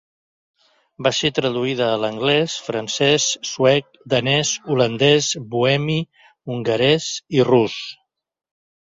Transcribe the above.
Va ser traduïda a l'anglès, francès, suec, danès, holandès, bohemi, hongarès i rus.